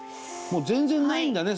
もう全然ないんだね。